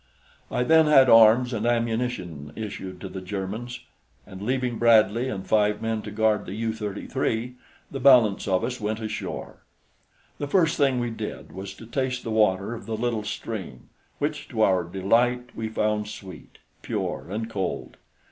I then had arms and ammunition issued to the Germans, and leaving Bradley and five men to guard the U 33, the balance of us went ashore. The first thing we did was to taste the water of the little stream which, to our delight, we found sweet, pure and cold.